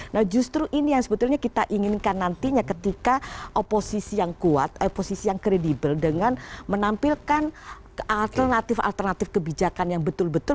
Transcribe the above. nah justru ini yang sebetulnya kita inginkan nantinya ketika oposisi yang kuat oposisi yang kredibel dengan menampilkan alternatif alternatif kebijakan yang betul betul